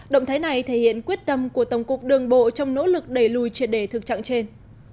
động thái này thể hiện quyết tâm của tổng cục đường bộ trong nỗ lực đẩy lùi triệt đề thực trạng trên